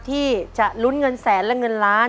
ที่จะลุ้นเงินแสนและเงินล้าน